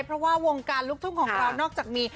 เพราะว่าวงการลูกทุ่งของเรานอกจากมี